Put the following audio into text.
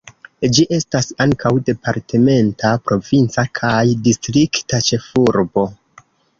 Ĝi estas ankaŭ departementa, provinca kaj distrikta ĉefurbo.